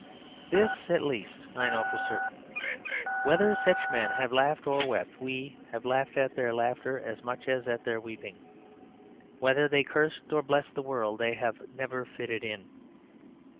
This, at least, I know for certain. Whether such men have laughed or wept, we have laughed at their laughter as much as at their weeping. Whether they cursed or blessed the world, they have never fitted it.